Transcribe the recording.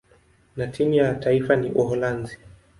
na timu ya taifa ya Uholanzi.